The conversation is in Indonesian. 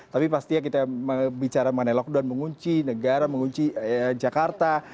tapi pastinya kita bicara mengenai lockdown mengunci negara mengunci jakarta